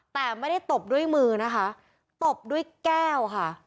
แต่ไม่ได้ตบด้วยมือนะคะตบด้วยแก้วค่ะ